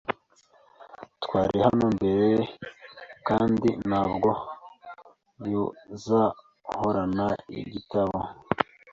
Twari hano mbere kandi ntabwo yuzahorana igitambo